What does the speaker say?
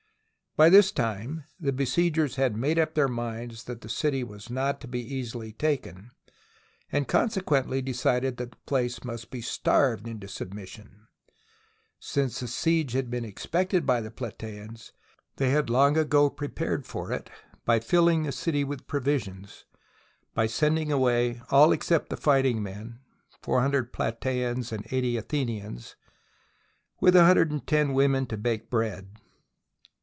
By this time the besiegers had made up their minds that the city was not to be easily taken, and consequently decided that the place must be starved into submission. Since the siege had been expected by the Platgeans, they had long ago prepared for it by rilling the city with provisions, by sending away all except the fighting men — four hundred Platasans and eighty Athenians — with a hundred and ten women to bake bread.